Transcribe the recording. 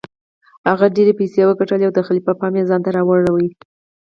هغه ډیرې پیسې وګټلې او د خلیفه پام یې ځانته راواړوه.